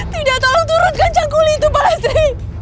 tidak tolong turunkan cangkuli itu pak lestri